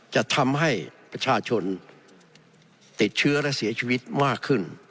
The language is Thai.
จะทำให้ประชาชนติดเชื้อและเสียชีวิตมากขึ้น